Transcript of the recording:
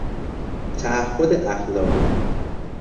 تعهد اخلاقی